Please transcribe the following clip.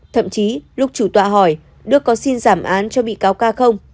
thậm chí lúc chủ tọa hỏi đức có xin giảm án cho bị cáo ca không